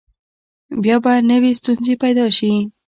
بیا به نوي ستونزې پیدا شي.